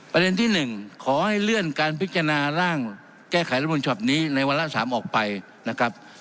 ประเด็นที่๑ขอให้เลื่อนการพิจารณาร่างแก้ไขรัฐมนุนฉบับนี้ในวาระ๓ออกไปนะครับ